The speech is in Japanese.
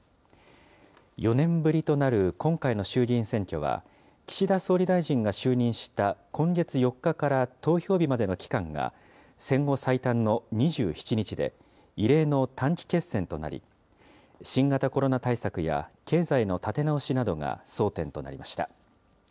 ４年ぶりとなる今回の衆議院選挙は、岸田総理大臣が就任した今月４日から投票日までの期間が戦後最短の２７日で、異例の短期決戦となり、新型コロナ対策や経済の立て直しなどが争点となりました。